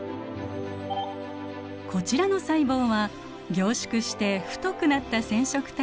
こちらの細胞は凝縮して太くなった染色体が観察できますね。